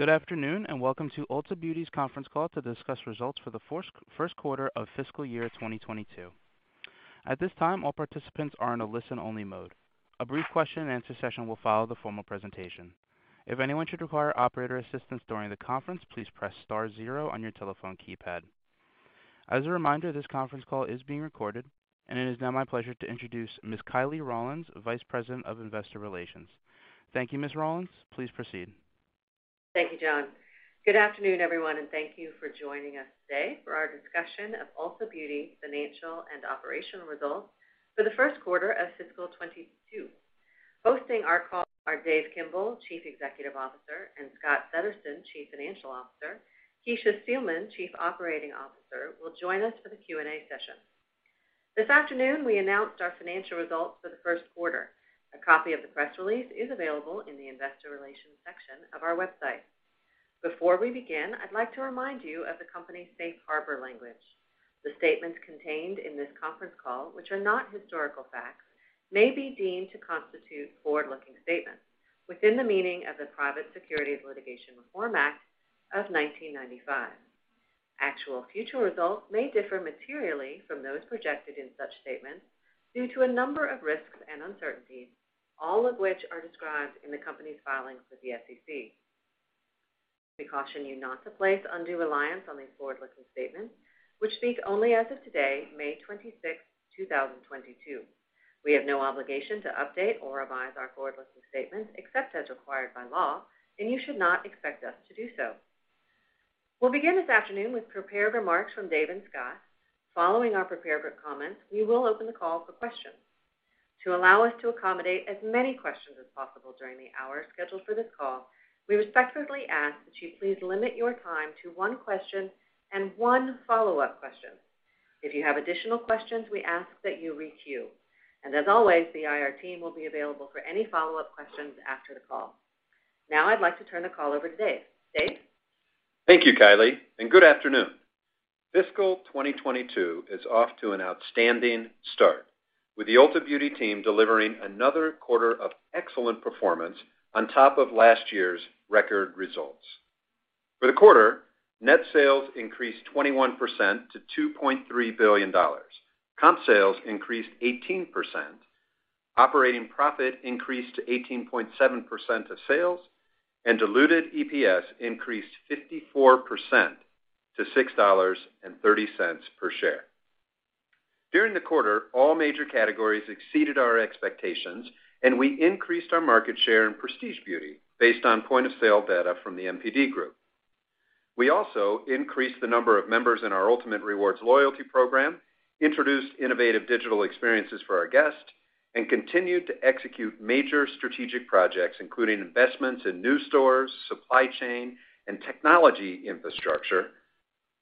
Good afternoon, and welcome to Ulta Beauty's conference call to discuss results for the first quarter of fiscal year 2022. At this time, all participants are in a listen-only mode. A brief question and answer session will follow the formal presentation. If anyone should require operator assistance during the conference, please press star zero on your telephone keypad. As a reminder, this conference call is being recorded. It is now my pleasure to introduce Ms. Kiley Rawlins, Vice President of Investor Relations. Thank you, Ms. Rawlins. Please proceed. Thank you, John. Good afternoon, everyone, and thank you for joining us today for our discussion of Ulta Beauty financial and operational results for the first quarter of fiscal 2022. Hosting our call are Dave Kimbell, Chief Executive Officer, and Scott Settersten, Chief Financial Officer. Kecia Steelman, Chief Operating Officer, will join us for the Q&A session. This afternoon, we announced our financial results for the first quarter. A copy of the press release is available in the investor relations section of our website. Before we begin, I'd like to remind you of the company's safe harbor language. The statements contained in this conference call, which are not historical facts, may be deemed to constitute forward-looking statements within the meaning of the Private Securities Litigation Reform Act of 1995. Actual future results may differ materially from those projected in such statements due to a number of risks and uncertainties, all of which are described in the company's filings with the SEC. We caution you not to place undue reliance on these forward-looking statements, which speak only as of today, May 26, 2022. We have no obligation to update or revise our forward-looking statements, except as required by law, and you should not expect us to do so. We'll begin this afternoon with prepared remarks from Dave and Scott. Following our prepared comments, we will open the call for questions. To allow us to accommodate as many questions as possible during the hour scheduled for this call, we respectfully ask that you please limit your time to one question and one follow-up question. If you have additional questions, we ask that you queue. As always, the IR team will be available for any follow-up questions after the call. Now I'd like to turn the call over to Dave. Dave? Thank you, Kiley, and good afternoon. Fiscal 2022 is off to an outstanding start, with the Ulta Beauty team delivering another quarter of excellent performance on top of last year's record results. For the quarter, net sales increased 21% to $2.3 billion. Comp sales increased 18%. Operating profit increased to 18.7% of sales. Diluted EPS increased 54% to $6.30 per share. During the quarter, all major categories exceeded our expectations, and we increased our market share in prestige beauty based on point of sale data from the NPD Group. We also increased the number of members in our Ultamate Rewards loyalty program, introduced innovative digital experiences for our guests, and continued to execute major strategic projects, including investments in new stores, supply chain, and technology infrastructure,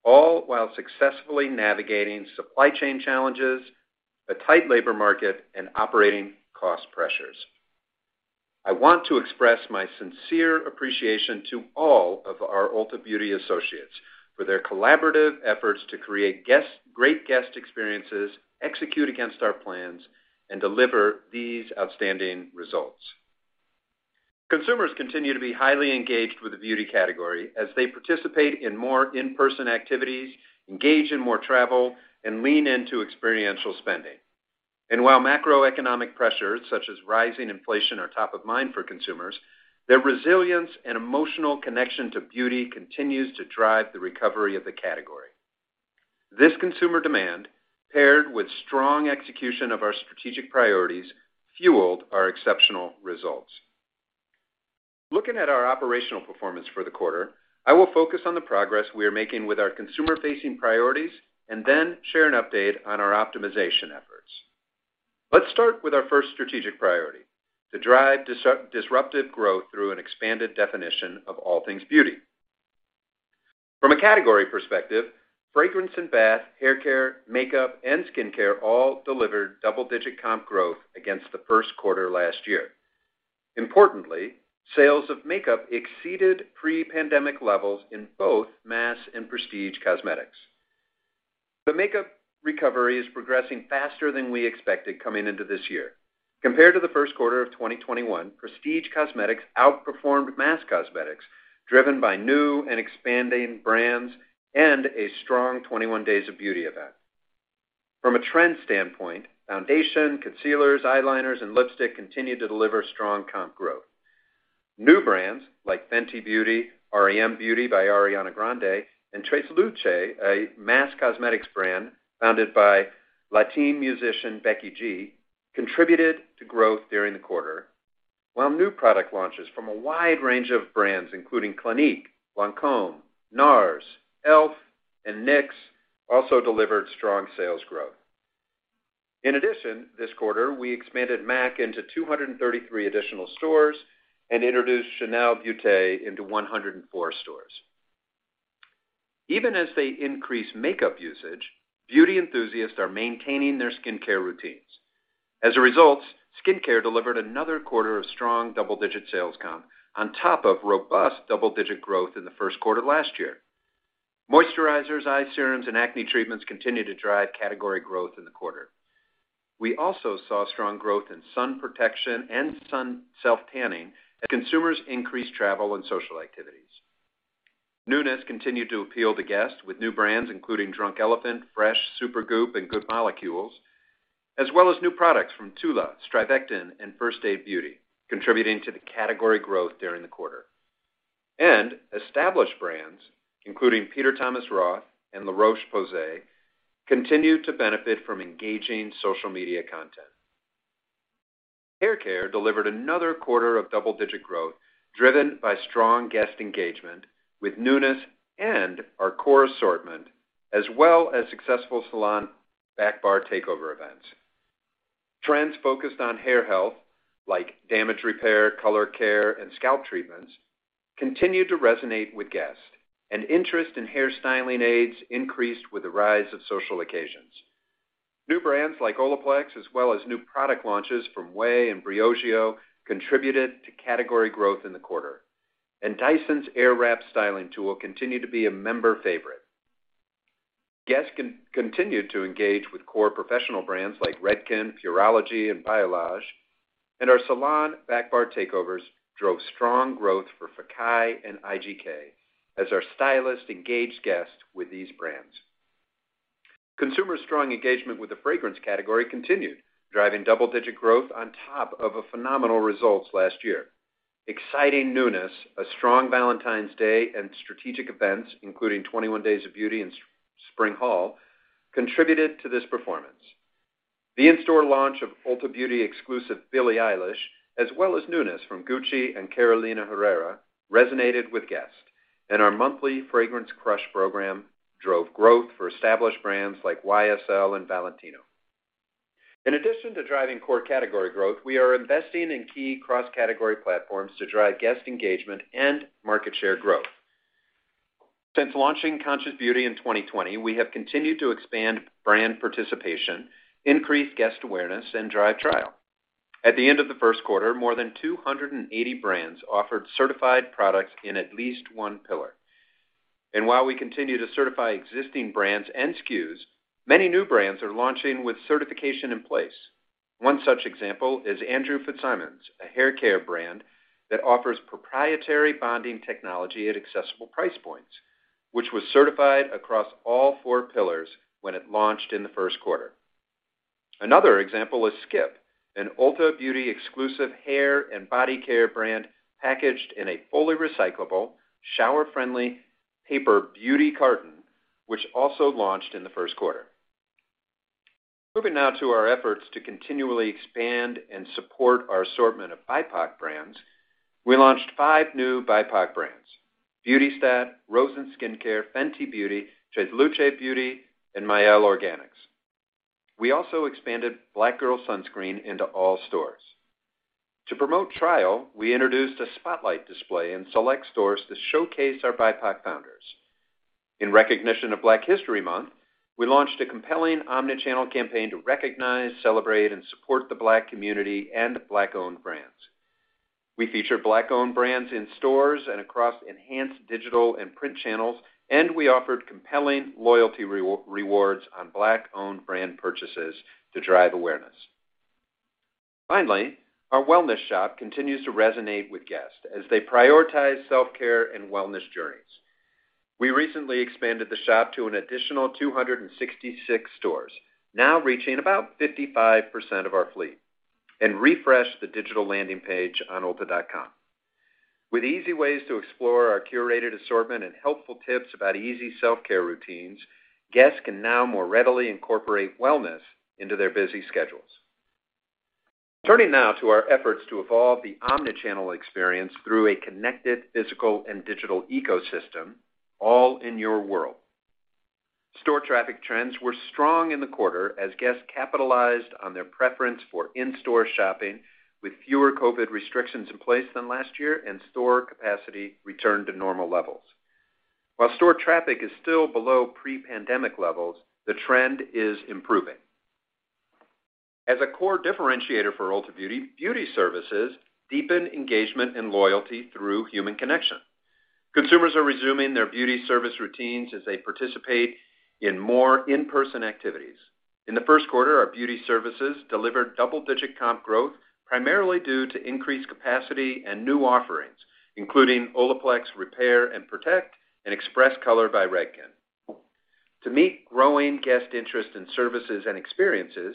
all while successfully navigating supply chain challenges, a tight labor market, and operating cost pressures. I want to express my sincere appreciation to all of our Ulta Beauty associates for their collaborative efforts to create great guest experiences, execute against our plans, and deliver these outstanding results. Consumers continue to be highly engaged with the beauty category as they participate in more in-person activities, engage in more travel, and lean into experiential spending. While macroeconomic pressures such as rising inflation are top of mind for consumers, their resilience and emotional connection to beauty continues to drive the recovery of the category. This consumer demand, paired with strong execution of our strategic priorities, fueled our exceptional results. Looking at our operational performance for the quarter, I will focus on the progress we are making with our consumer-facing priorities and then share an update on our optimization efforts. Let's start with our first strategic priority, to drive disruptive growth through an expanded definition of all things beauty. From a category perspective, fragrance and bath, haircare, makeup, and skincare all delivered double-digit comp growth against the first quarter last year. Importantly, sales of makeup exceeded pre-pandemic levels in both mass and prestige cosmetics. The makeup recovery is progressing faster than we expected coming into this year. Compared to the first quarter of 2021, prestige cosmetics outperformed mass cosmetics, driven by new and expanding brands and a strong 21 Days of Beauty event. From a trend standpoint, foundation, concealers, eyeliners, and lipstick continued to deliver strong comp growth. New brands like Fenty Beauty, r.e.m. beauty by Ariana Grande, and Treslúce Beauty, a mass cosmetics brand founded by Latin musician Becky G, contributed to growth during the quarter. While new product launches from a wide range of brands, including Clinique, Lancôme, NARS, e.l.f., and NYX, also delivered strong sales growth. In addition, this quarter, we expanded MAC into 233 additional stores and introduced Chanel Beauté into 104 stores. Even as they increase makeup usage, beauty enthusiasts are maintaining their skincare routines. As a result, skincare delivered another quarter of strong double-digit sales comp on top of robust double-digit growth in the first quarter last year. Moisturizers, eye serums, and acne treatments continued to drive category growth in the quarter. We also saw strong growth in sun protection and sun self-tanning as consumers increased travel and social activities. Newness continued to appeal to guests with new brands, including Drunk Elephant, fresh, Supergoop, and Good Molecules, as well as new products from TULA, StriVectin, and First Aid Beauty, contributing to the category growth during the quarter. Established brands, including Peter Thomas Roth and La Roche-Posay, continued to benefit from engaging social media content. Hair care delivered another quarter of double-digit growth, driven by strong guest engagement with newness and our core assortment, as well as successful salon backbar takeover events. Trends focused on hair health, like damage repair, color care, and scalp treatments, continued to resonate with guests, and interest in hair styling aids increased with the rise of social occasions. New brands like OLAPLEX, as well as new product launches from OUAI and Briogeo, contributed to category growth in the quarter, and Dyson's Airwrap styling tool continued to be a member favorite. Guests continued to engage with core professional brands like Redken, Pureology, and Biolage, and our salon backbar takeovers drove strong growth for Fekkai and IGK as our stylists engaged guests with these brands. Continued strong consumer engagement with the fragrance category continued, driving double-digit growth on top of phenomenal results last year. Exciting newness, a strong Valentine's Day, and strategic events, including 21 Days of Beauty and Spring Haul, contributed to this performance. The in-store launch of Ulta Beauty-exclusive Billie Eilish, as well as newness from Gucci and Carolina Herrera, resonated with guests, and our monthly Fragrance Crush program drove growth for established brands like YSL and Valentino. In addition to driving core category growth, we are investing in key cross-category platforms to drive guest engagement and market share growth. Since launching Conscious Beauty in 2020, we have continued to expand brand participation, increase guest awareness, and drive trial. At the end of the first quarter, more than 280 brands offered certified products in at least one pillar. While we continue to certify existing brands and SKUs, many new brands are launching with certification in place. One such example is Andrew Fitzsimons, a haircare brand that offers proprietary bonding technology at accessible price points, which was certified across all four pillars when it launched in the first quarter. Another example is Skip, an Ulta Beauty-exclusive hair and body care brand packaged in a fully recyclable, shower-friendly paper beauty carton, which also launched in the first quarter. Moving now to our efforts to continually expand and support our assortment of BIPOC brands, we launched five new BIPOC brands, BeautyStat, ROSEN Skincare, Fenty Beauty, Treslúce Beauty, and Mielle Organics. We also expanded Black Girl Sunscreen into all stores. To promote trial, we introduced a spotlight display in select stores to showcase our BIPOC founders. In recognition of Black History Month, we launched a compelling omnichannel campaign to recognize, celebrate, and support the Black community and Black-owned brands. We featured Black-owned brands in stores and across enhanced digital and print channels, and we offered compelling loyalty rewards on Black-owned brand purchases to drive awareness. Finally, our wellness shop continues to resonate with guests as they prioritize self-care and wellness journeys. We recently expanded the shop to an additional 266 stores, now reaching about 55% of our fleet, and refreshed the digital landing page on ulta.com. With easy ways to explore our curated assortment and helpful tips about easy self-care routines, guests can now more readily incorporate wellness into their busy schedules. Turning now to our efforts to evolve the omnichannel experience through a connected physical and digital ecosystem, all in your world. Store traffic trends were strong in the quarter as guests capitalized on their preference for in-store shopping with fewer COVID restrictions in place than last year and store capacity returned to normal levels. While store traffic is still below pre-pandemic levels, the trend is improving. As a core differentiator for Ulta Beauty, beauty services deepen engagement and loyalty through human connection. Consumers are resuming their beauty service routines as they participate in more in-person activities. In the first quarter, our beauty services delivered double-digit comp growth, primarily due to increased capacity and new offerings, including OLAPLEX Repair and Protect and Express Color by Redken. To meet growing guest interest in services and experiences,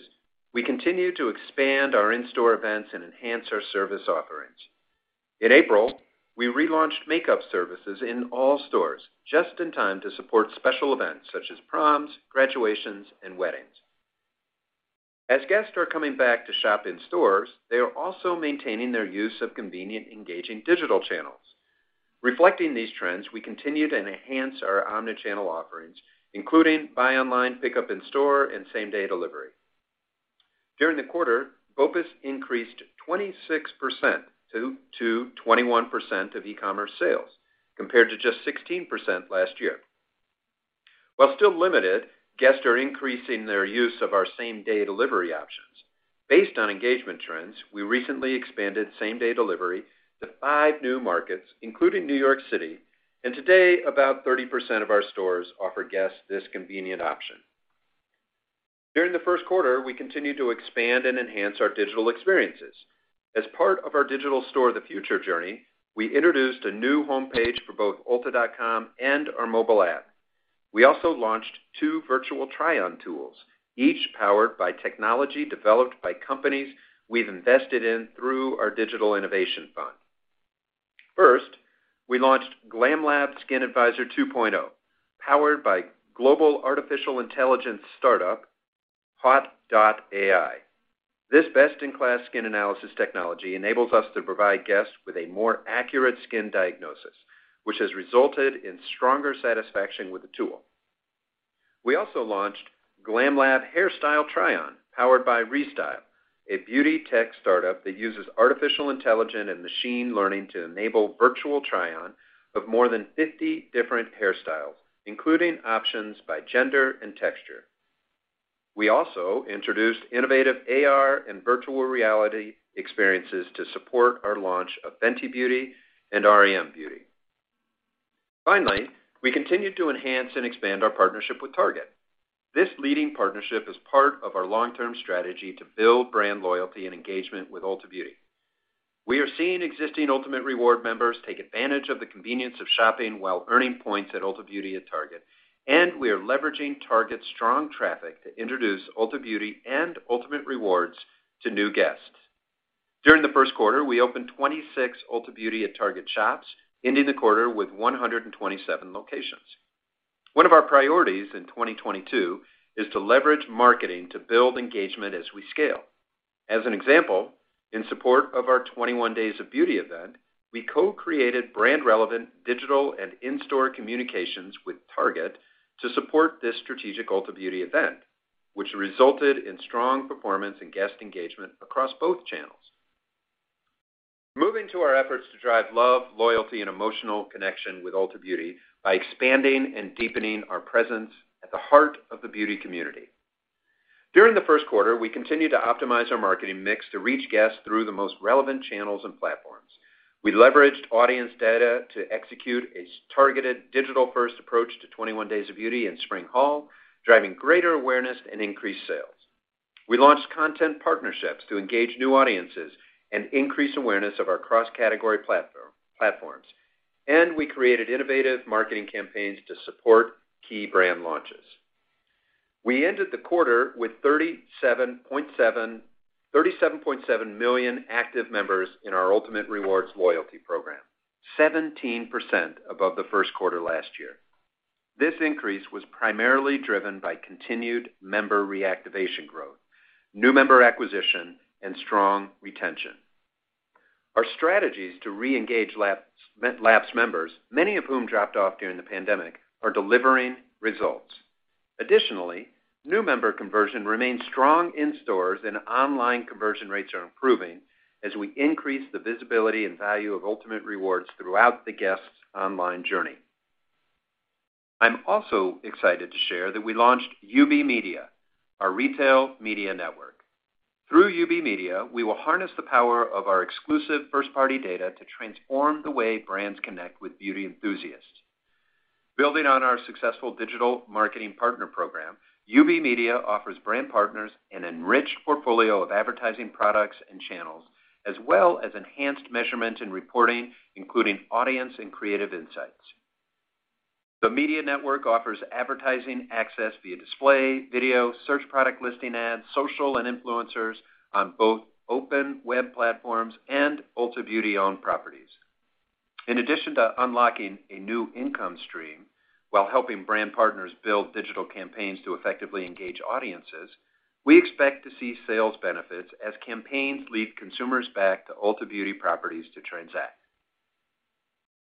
we continue to expand our in-store events and enhance our service offerings. In April, we relaunched makeup services in all stores just in time to support special events such as proms, graduations, and weddings. As guests are coming back to shop in stores, they are also maintaining their use of convenient, engaging digital channels. Reflecting these trends, we continued to enhance our omnichannel offerings, including buy online, pickup in store, and same-day delivery. During the quarter, BOPUS increased 26% to 21% of e-commerce sales, compared to just 16% last year. While still limited, guests are increasing their use of our same-day delivery option. Based on engagement trends, we recently expanded same-day delivery to five new markets, including New York City, and today, about 30% of our stores offer guests this convenient option. During the first quarter, we continued to expand and enhance our digital experiences. As part of our digital store of the future journey, we introduced a new homepage for both ulta.com and our mobile app. We also launched two virtual try-on tools, each powered by technology developed by companies we've invested in through our digital innovation fund. First, we launched GLAMlab Skin Advisor 2.0, powered by global artificial intelligence startup, Haut.AI. This best-in-class skin analysis technology enables us to provide guests with a more accurate skin diagnosis, which has resulted in stronger satisfaction with the tool. We also launched GLAMlab Hair Try-On, powered by Restyle, a beauty tech startup that uses artificial intelligence and machine learning to enable virtual try-on of more than 50 different hairstyles, including options by gender and texture. We also introduced innovative AR and virtual reality experiences to support our launch of Fenty Beauty and r.e.m. beauty. Finally, we continued to enhance and expand our partnership with Target. This leading partnership is part of our long-term strategy to build brand loyalty and engagement with Ulta Beauty. We are seeing existing Ultamate Rewards members take advantage of the convenience of shopping while earning points at Ulta Beauty at Target, and we are leveraging Target's strong traffic to introduce Ulta Beauty and Ultamate Rewards to new guests. During the first quarter, we opened 26 Ulta Beauty at Target shops, ending the quarter with 127 locations. One of our priorities in 2022 is to leverage marketing to build engagement as we scale. As an example, in support of our 21 Days of Beauty event, we co-created brand relevant digital and in-store communications with Target to support this strategic Ulta Beauty event, which resulted in strong performance and guest engagement across both channels. Moving to our efforts to drive love, loyalty, and emotional connection with Ulta Beauty by expanding and deepening our presence at the heart of the beauty community. During the first quarter, we continued to optimize our marketing mix to reach guests through the most relevant channels and platforms. We leveraged audience data to execute a targeted digital-first approach to 21 Days of Beauty and Spring Haul, driving greater awareness and increased sales. We launched content partnerships to engage new audiences and increase awareness of our cross-category platform. We created innovative marketing campaigns to support key brand launches. We ended the quarter with 37.7 million active members in our Ultamate Rewards loyalty program, 17% above the first quarter last year. This increase was primarily driven by continued member reactivation growth, new member acquisition, and strong retention. Our strategies to reengage lapsed members, many of whom dropped off during the pandemic, are delivering results. Additionally, new member conversion remains strong in stores, and online conversion rates are improving as we increase the visibility and value of Ultamate Rewards throughout the guest's online journey. I'm also excited to share that we launched UB Media, our retail media network. Through UB Media, we will harness the power of our exclusive first-party data to transform the way brands connect with beauty enthusiasts. Building on our successful digital marketing partner program, UB Media offers brand partners an enriched portfolio of advertising products and channels, as well as enhanced measurement and reporting, including audience and creative insights. The media network offers advertising access via display, video, search, product listing ads, social, and influencers on both open web platforms and Ulta Beauty-owned properties. In addition to unlocking a new income stream while helping brand partners build digital campaigns to effectively engage audiences, we expect to see sales benefits as campaigns lead consumers back to Ulta Beauty properties to transact.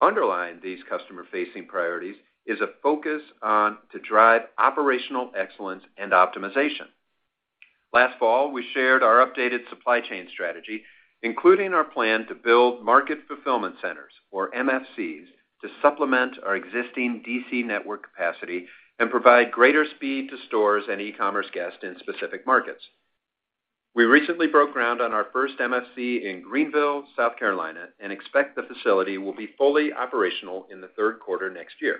Underlying these customer-facing priorities is a focus to drive operational excellence and optimization. Last fall, we shared our updated supply chain strategy, including our plan to build market fulfillment centers, or MFCs, to supplement our existing DC network capacity and provide greater speed to stores and e-commerce guests in specific markets. We recently broke ground on our first MFC in Greenville, South Carolina, and expect the facility will be fully operational in the third quarter next year.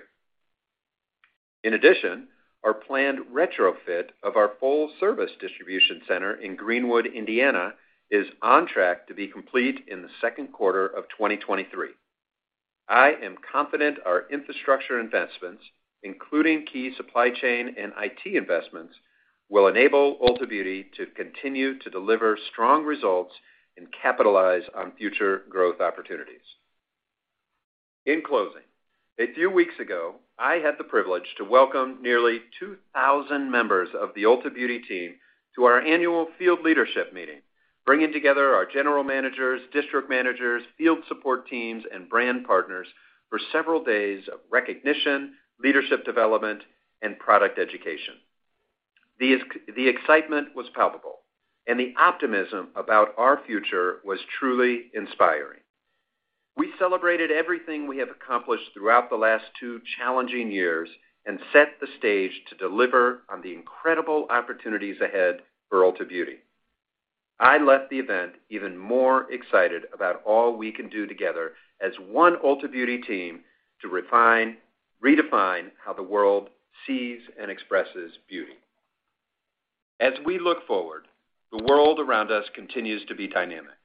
In addition, our planned retrofit of our full-service distribution center in Greenwood, Indiana, is on track to be complete in the second quarter of 2023. I am confident our infrastructure investments, including key supply chain and IT investments, will enable Ulta Beauty to continue to deliver strong results and capitalize on future growth opportunities. In closing, a few weeks ago, I had the privilege to welcome nearly 2,000 members of the Ulta Beauty team to our annual field leadership meeting, bringing together our general managers, district managers, field support teams, and brand partners for several days of recognition, leadership development, and product education. The excitement was palpable, and the optimism about our future was truly inspiring. We celebrated everything we have accomplished throughout the last two challenging years and set the stage to deliver on the incredible opportunities ahead for Ulta Beauty. I left the event even more excited about all we can do together as one Ulta Beauty team to redefine how the world sees and expresses beauty. As we look forward, the world around us continues to be dynamic.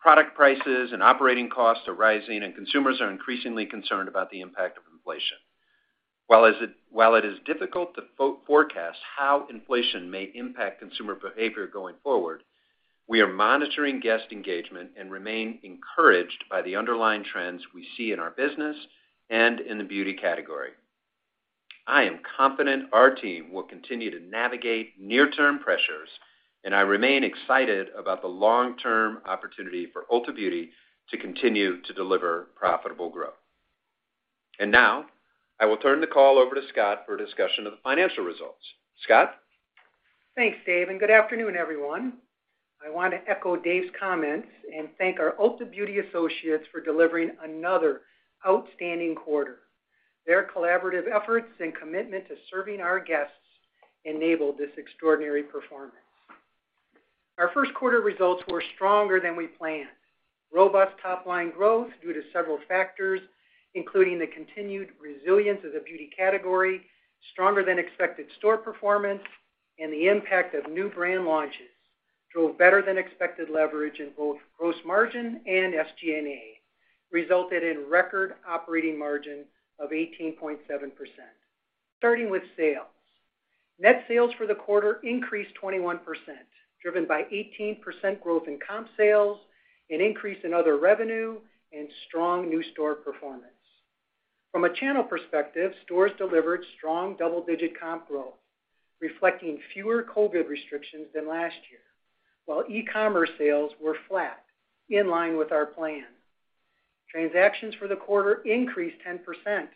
Product prices and operating costs are rising, and consumers are increasingly concerned about the impact of inflation. While it is difficult to forecast how inflation may impact consumer behavior going forward, we are monitoring guest engagement and remain encouraged by the underlying trends we see in our business and in the beauty category. I am confident our team will continue to navigate near-term pressures, and I remain excited about the long-term opportunity for Ulta Beauty to continue to deliver profitable growth. Now, I will turn the call over to Scott for a discussion of the financial results. Scott? Thanks, Dave, and good afternoon, everyone. I want to echo Dave's comments and thank our Ulta Beauty associates for delivering another outstanding quarter. Their collaborative efforts and commitment to serving our guests enabled this extraordinary performance. Our first quarter results were stronger than we planned. Robust top line growth due to several factors, including the continued resilience of the beauty category, stronger than expected store performance, and the impact of new brand launches drove better than expected leverage in both gross margin and SG&A, resulted in record operating margin of 18.7%. Starting with sales. Net sales for the quarter increased 21%, driven by 18% growth in comp sales, an increase in other revenue, and strong new store performance. From a channel perspective, stores delivered strong double-digit comp growth, reflecting fewer COVID restrictions than last year, while e-commerce sales were flat, in line with our plan. Transactions for the quarter increased 10%,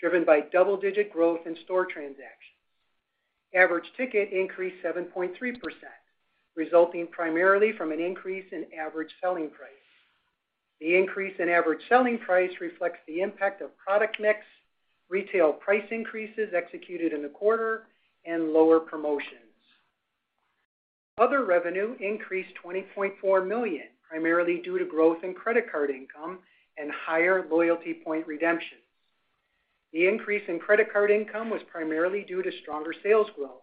driven by double-digit growth in store transactions. Average ticket increased 7.3%, resulting primarily from an increase in average selling price. The increase in average selling price reflects the impact of product mix, retail price increases executed in the quarter, and lower promotions. Other revenue increased $20.4 million, primarily due to growth in credit card income and higher loyalty point redemptions. The increase in credit card income was primarily due to stronger sales growth.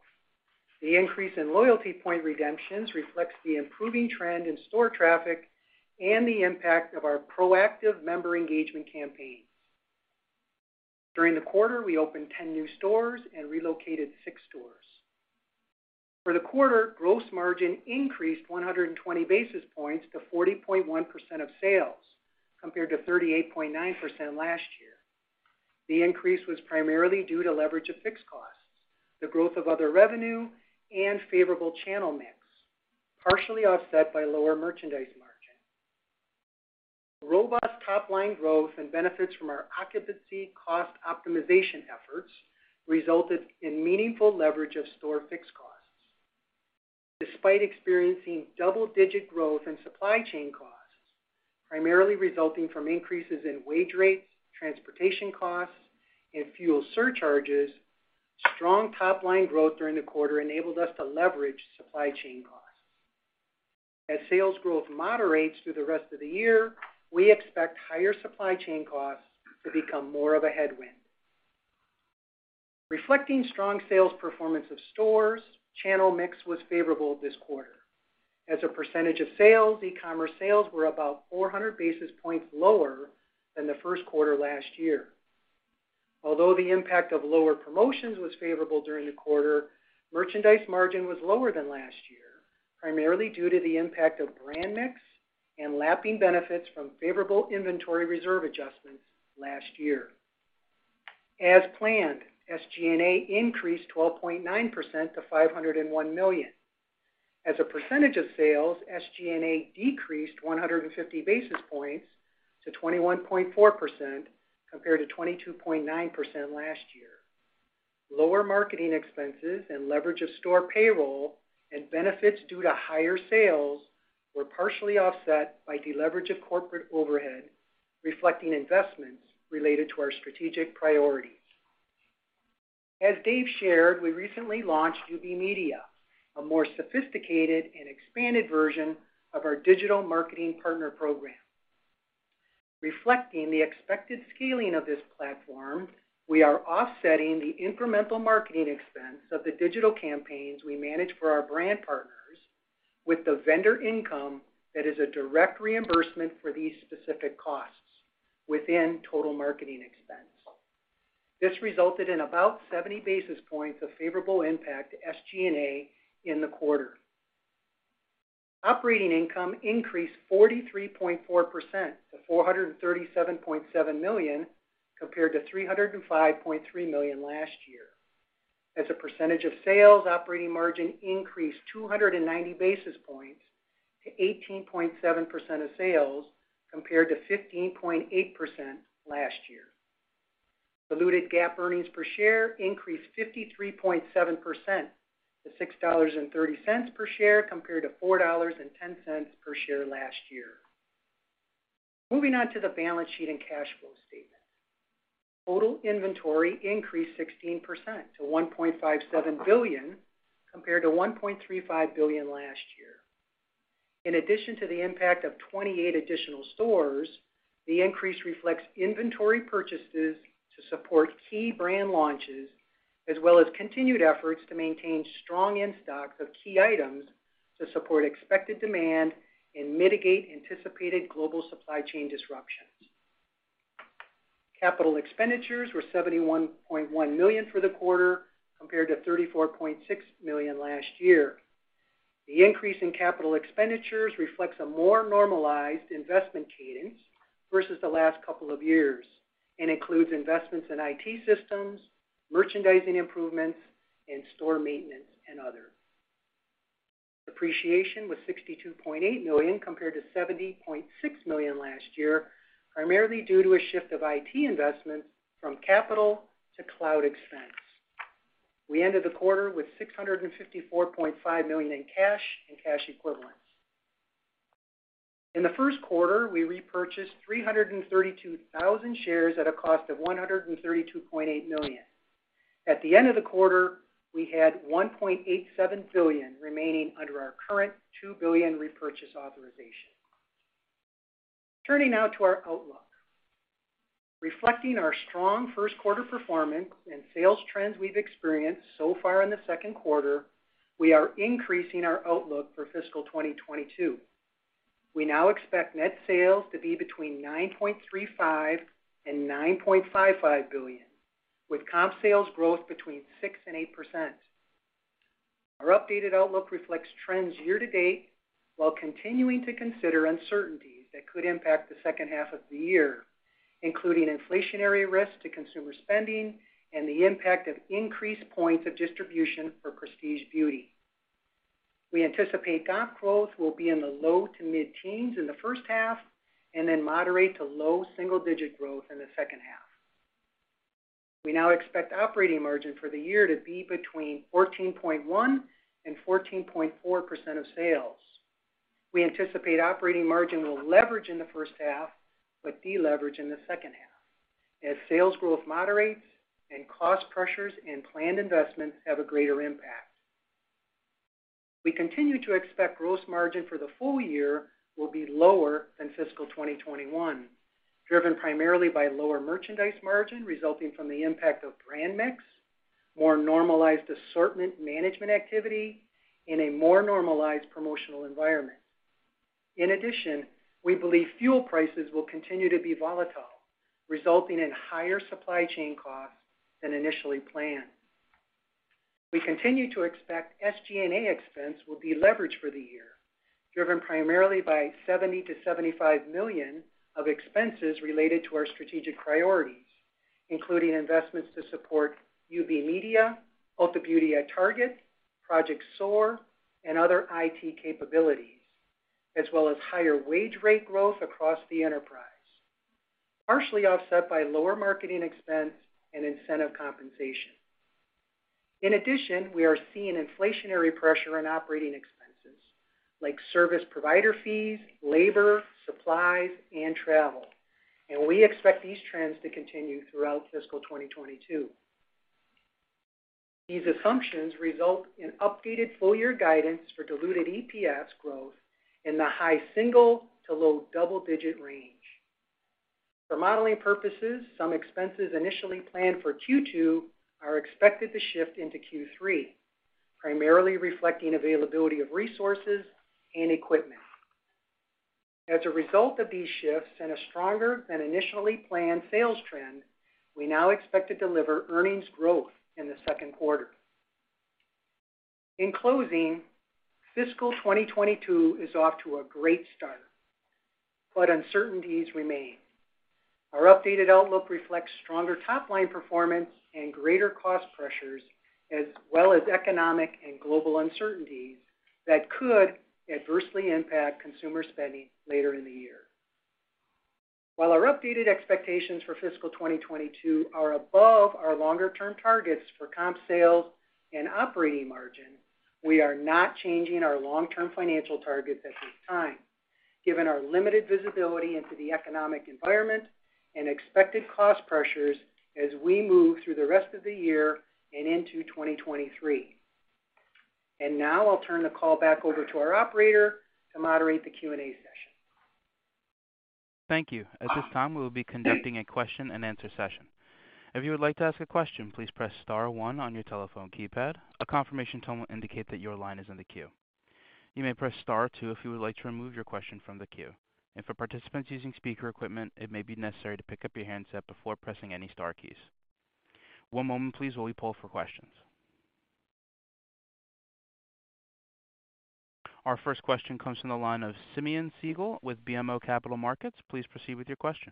The increase in loyalty point redemptions reflects the improving trend in store traffic and the impact of our proactive member engagement campaigns. During the quarter, we opened 10 new stores and relocated six stores. For the quarter, gross margin increased 120 basis points to 40.1% of sales, compared to 38.9% last year. The increase was primarily due to leverage of fixed costs, the growth of other revenue, and favorable channel mix, partially offset by lower merchandise margin. Robust top-line growth and benefits from our occupancy cost optimization efforts resulted in meaningful leverage of store fixed costs. Despite experiencing double-digit growth in supply chain costs, primarily resulting from increases in wage rates, transportation costs, and fuel surcharges, strong top-line growth during the quarter enabled us to leverage supply chain costs. As sales growth moderates through the rest of the year, we expect higher supply chain costs to become more of a headwind. Reflecting strong sales performance of stores, channel mix was favorable this quarter. As a percentage of sales, e-commerce sales were about 400 basis points lower than the first quarter last year. Although the impact of lower promotions was favorable during the quarter, merchandise margin was lower than last year, primarily due to the impact of brand mix and lapping benefits from favorable inventory reserve adjustments last year. As planned, SG&A increased 12.9% to $501 million. As a percentage of sales, SG&A decreased 150 basis points to 21.4% compared to 22.9% last year. Lower marketing expenses and leverage of store payroll and benefits due to higher sales were partially offset by deleverage of corporate overhead, reflecting investments related to our strategic priorities. As Dave shared, we recently launched UB Media, a more sophisticated and expanded version of our digital marketing partner program. Reflecting the expected scaling of this platform, we are offsetting the incremental marketing expense of the digital campaigns we manage for our brand partners with the vendor income that is a direct reimbursement for these specific costs within total marketing expense. This resulted in about 70 basis points of favorable impact to SG&A in the quarter. Operating income increased 43.4% to $437.7 million, compared to $305.3 million last year. As a percentage of sales, operating margin increased 290 basis points to 18.7% of sales, compared to 15.8% last year. Diluted GAAP earnings per share increased 53.7% to $6.30 per share compared to $4.10 per share last year. Moving on to the balance sheet and cash flow statement. Total inventory increased 16% to $1.57 billion, compared to $1.35 billion last year. In addition to the impact of 28 additional stores, the increase reflects inventory purchases to support key brand launches, as well as continued efforts to maintain strong in-stock of key items to support expected demand and mitigate anticipated global supply chain disruptions. Capital expenditures were $71.1 million for the quarter, compared to $34.6 million last year. The increase in capital expenditures reflects a more normalized investment cadence versus the last couple of years and includes investments in IT systems, merchandising improvements, and store maintenance, and other. Depreciation was $62.8 million, compared to $70.6 million last year, primarily due to a shift of IT investments from capital to cloud expense. We ended the quarter with $654.5 million in cash and cash equivalents. In the first quarter, we repurchased 332,000 shares at a cost of $132.8 million. At the end of the quarter, we had $1.87 billion remaining under our current $2 billion repurchase authorization. Turning now to our outlook. Reflecting our strong first quarter performance and sales trends we've experienced so far in the second quarter, we are increasing our outlook for fiscal 2022. We now expect net sales to be between $9.35 billion-$9.55 billion, with comp sales growth between 6%-8%. Our updated outlook reflects trends year-to-date while continuing to consider uncertainties that could impact the second half of the year, including inflationary risks to consumer spending and the impact of increased points of distribution for Prestige Beauty. We anticipate comp growth will be in the low to mid-teens in the first half and then moderate to low single-digit growth in the second half. We now expect operating margin for the year to be between 14.1% and 14.4% of sales. We anticipate operating margin will leverage in the first half, but deleverage in the second half as sales growth moderates and cost pressures and planned investments have a greater impact. We continue to expect gross margin for the full-year will be lower than fiscal 2021, driven primarily by lower merchandise margin resulting from the impact of brand mix, more normalized assortment management activity, and a more normalized promotional environment. In addition, we believe fuel prices will continue to be volatile, resulting in higher supply chain costs than initially planned. We continue to expect SG&A expense will be leveraged for the year, driven primarily by $70 million-$75 million of expenses related to our strategic priorities, including investments to support UB Media, Ulta Beauty at Target, Project SOAR, and other IT capabilities, as well as higher wage rate growth across the enterprise, partially offset by lower marketing expense and incentive compensation. In addition, we are seeing inflationary pressure on operating expenses like service provider fees, labor, supplies, and travel, and we expect these trends to continue throughout fiscal 2022. These assumptions result in updated full-year guidance for diluted EPS growth in the high single to low double-digit range. For modeling purposes, some expenses initially planned for Q2 are expected to shift into Q3, primarily reflecting availability of resources and equipment. As a result of these shifts and a stronger than initially planned sales trend, we now expect to deliver earnings growth in the second quarter. In closing, fiscal 2022 is off to a great start, but uncertainties remain. Our updated outlook reflects stronger top-line performance and greater cost pressures, as well as economic and global uncertainties that could adversely impact consumer spending later in the year. While our updated expectations for fiscal 2022 are above our longer-term targets for comp sales and operating margin, we are not changing our long-term financial targets at this time, given our limited visibility into the economic environment and expected cost pressures as we move through the rest of the year and into 2023. Now I'll turn the call back over to our operator to moderate the Q&A session. Thank you. At this time, we will be conducting a question and answer session. If you would like to ask a question, please press star one on your telephone keypad. A confirmation tone will indicate that your line is in the queue. You may press star two if you would like to remove your question from the queue. For participants using speaker equipment, it may be necessary to pick up your handset before pressing any star keys. One moment please while we poll for questions. Our first question comes from the line of Simeon Siegel with BMO Capital Markets. Please proceed with your question.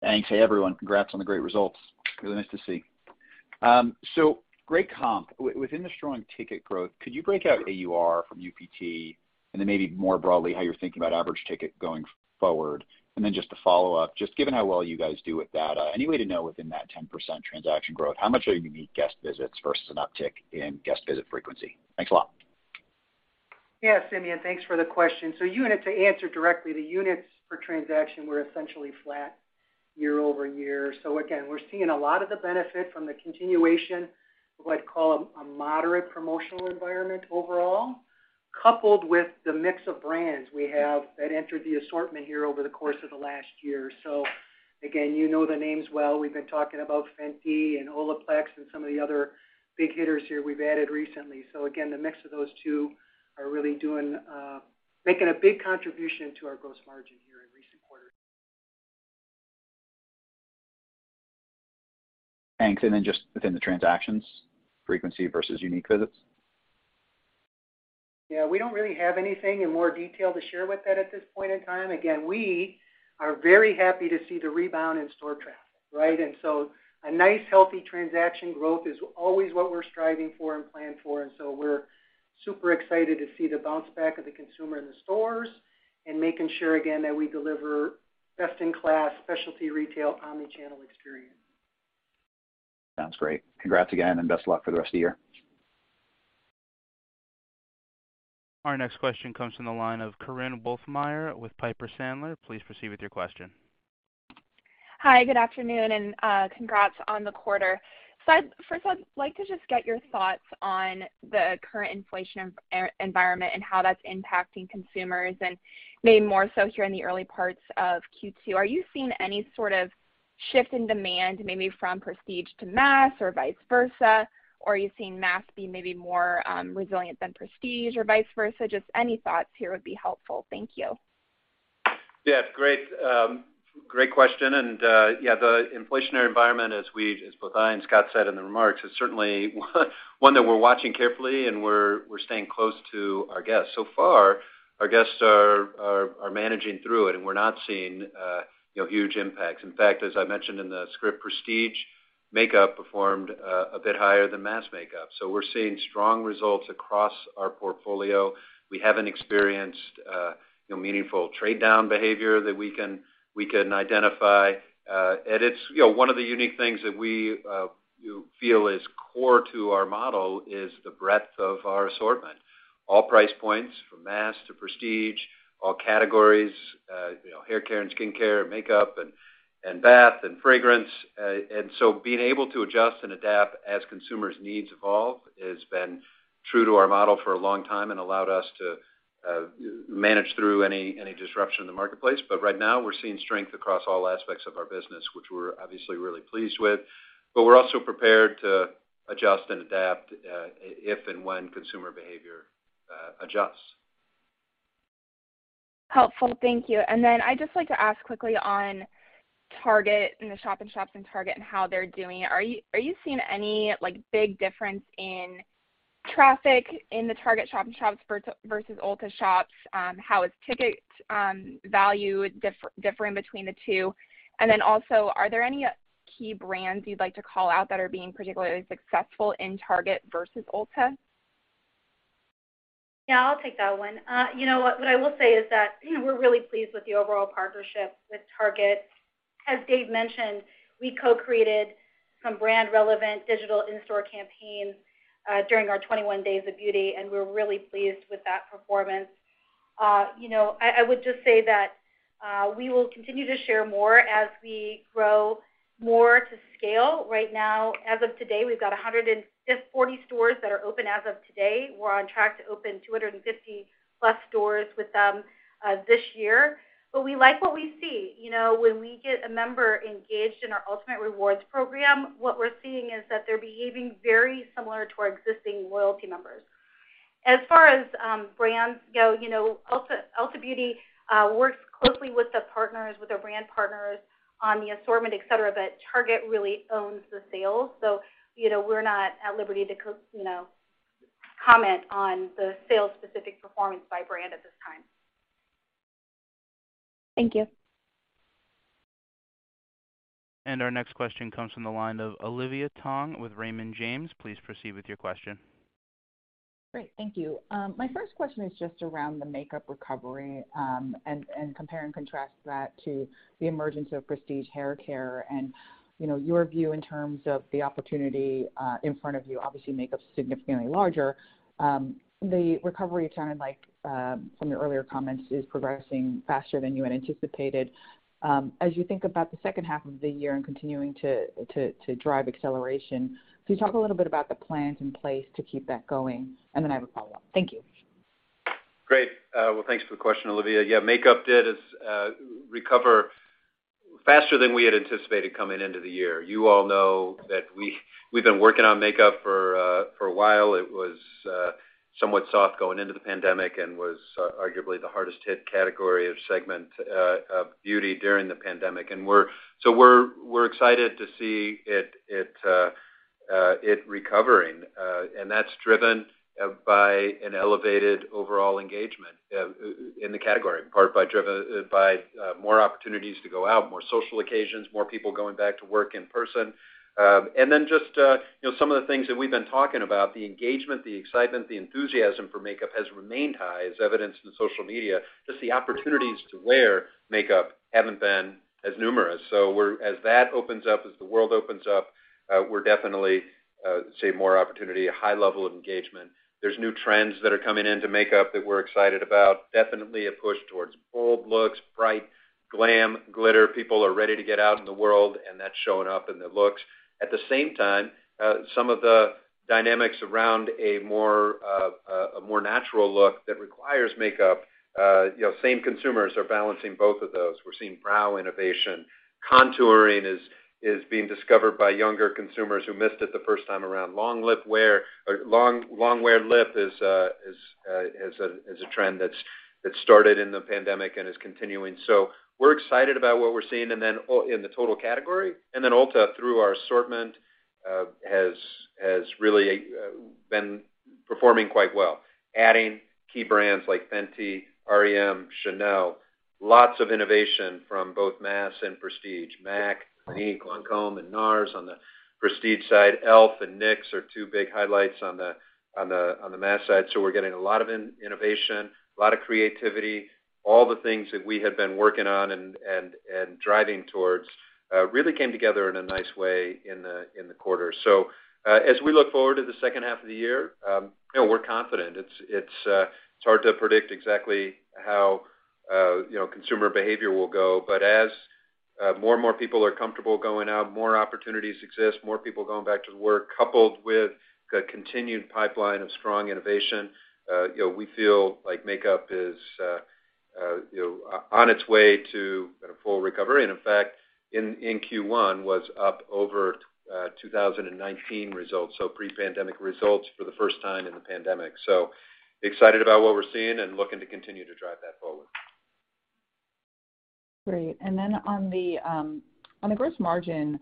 Thanks. Hey, everyone. Congrats on the great results. Really nice to see. Great comps. Within the strong ticket growth, could you break out AUR from UPT, and then maybe more broadly how you're thinking about average ticket going forward? Just to follow up, just given how well you guys do with data, any way to know within that 10% transaction growth, how much are unique guest visits versus an uptick in guest visit frequency? Thanks a lot. Yeah, Simeon, thanks for the question. Units, to answer directly, the units per transaction were essentially flat year-over-year. Again, we're seeing a lot of the benefit from the continuation of what I'd call a moderate promotional environment overall, coupled with the mix of brands we have that entered the assortment here over the course of the last year. Again, you know the names well. We've been talking about Fenty and OLAPLEX and some of the other big hitters here we've added recently. Again, the mix of those two are really doing, making a big contribution to our gross margin here in recent quarters. Thanks. Just within the transactions frequency versus unique visits. Yeah, we don't really have anything in more detail to share with that at this point in time. Again, we are very happy to see the rebound in store traffic, right? A nice, healthy transaction growth is always what we're striving for and plan for. We're super excited to see the bounce back of the consumer in the stores and making sure again that we deliver best in class specialty retail omni-channel experience. Sounds great. Congrats again, and best of luck for the rest of the year. Our next question comes from the line of Korinne Wolfmeyer with Piper Sandler. Please proceed with your question. Hi, good afternoon, and congrats on the quarter. First I'd like to just get your thoughts on the current inflation environment and how that's impacting consumers, and maybe more so here in the early parts of Q2. Are you seeing any sort of shift in demand maybe from prestige to mass or vice versa? Or are you seeing mass be maybe more resilient than prestige or vice versa? Just any thoughts here would be helpful. Thank you. Yeah. Great question, and yeah, the inflationary environment, as both I and Scott said in the remarks, is certainly one that we're watching carefully, and we're staying close to our guests. So far, our guests are managing through it, and we're not seeing, you know, huge impacts. In fact, as I mentioned in the script, prestige makeup performed a bit higher than mass makeup. So we're seeing strong results across our portfolio. We haven't experienced, you know, meaningful trade down behavior that we can identify. And it's, you know, one of the unique things that we you feel is core to our model is the breadth of our assortment. All price points from mass to prestige, all categories, you know, haircare and skincare, makeup and bath and fragrance. Being able to adjust and adapt as consumers' needs evolve has been true to our model for a long time and allowed us to manage through any disruption in the marketplace. Right now, we're seeing strength across all aspects of our business, which we're obviously really pleased with. We're also prepared to adjust and adapt if and when consumer behavior adjusts. Helpful. Thank you. I'd just like to ask quickly on Target and the shop-in-shops in Target and how they're doing. Are you seeing any, like, big difference in traffic in the Target shop-in-shops versus Ulta shops? How is ticket value differing between the two? Are there any key brands you'd like to call out that are being particularly successful in Target versus Ulta? Yeah, I'll take that one. You know what? What I will say is that, you know, we're really pleased with the overall partnership with Target. As Dave mentioned, we co-created some brand relevant digital in-store campaigns during our 21 Days of Beauty, and we're really pleased with that performance. You know, I would just say that we will continue to share more as we grow more to scale. Right now, as of today, we've got 140 stores that are open as of today. We're on track to open 250+ stores with them this year. We like what we see. You know, when we get a member engaged in our Ultamate Rewards program, what we're seeing is that they're behaving very similar to our existing loyalty members. As far as brands go, you know, Ulta Beauty works closely with the partners, with our brand partners on the assortment, et cetera, but Target really owns the sales. You know, we're not at liberty to comment on the sales specific performance by brand at this time. Thank you. Our next question comes from the line of Olivia Tong with Raymond James. Please proceed with your question. Great. Thank you. My first question is just around the makeup recovery, and compare and contrast that to the emergence of prestige haircare and, you know, your view in terms of the opportunity in front of you. Obviously, makeup's significantly larger. The recovery it sounded like, from your earlier comments, is progressing faster than you had anticipated. As you think about the second half of the year and continuing to drive acceleration, can you talk a little bit about the plans in place to keep that going? I have a follow-up. Thank you. Great. Well, thanks for the question, Olivia. Yeah, makeup did recover faster than we had anticipated coming into the year. You all know that we've been working on makeup for a while. It was somewhat soft going into the pandemic and was arguably the hardest hit category or segment of beauty during the pandemic. We're excited to see it recovering, and that's driven by an elevated overall engagement in the category, driven by more opportunities to go out, more social occasions, more people going back to work in person. You know, some of the things that we've been talking about, the engagement, the excitement, the enthusiasm for makeup has remained high, as evidenced in social media. Just the opportunities to wear makeup haven't been as numerous. As that opens up, as the world opens up, we're definitely seeing more opportunity, a high level of engagement. There's new trends that are coming into makeup that we're excited about. Definitely a push towards bold looks, bright, glam, glitter. People are ready to get out in the world, and that's showing up in the looks. At the same time, some of the dynamics around a more natural look that requires makeup, you know, same consumers are balancing both of those. We're seeing brow innovation. Contouring is being discovered by younger consumers who missed it the first time around. Long-wear lip is a trend that started in the pandemic and is continuing. We're excited about what we're seeing in the total category. Ulta, through our assortment, has really been performing quite well, adding key brands like Fenty, r.e.m., Chanel, lots of innovation from both mass and prestige. MAC, Clinique, Lancôme, and NARS on the prestige side. e.l.f. and NYX are two big highlights on the mass side. We're getting a lot of innovation, a lot of creativity. All the things that we had been working on and driving towards really came together in a nice way in the quarter. As we look forward to the second half of the year, you know, we're confident. It's hard to predict exactly how, you know, consumer behavior will go, but as more and more people are comfortable going out, more opportunities exist, more people going back to work, coupled with the continued pipeline of strong innovation, you know, we feel like makeup is on its way to a full recovery. In fact, in Q1, was up over 2019 results, so pre-pandemic results for the first time in the pandemic. Excited about what we're seeing and looking to continue to drive that forward. Great. On the gross margin,